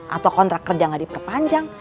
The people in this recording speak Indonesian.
atau kontrak kerja nggak diperpanjang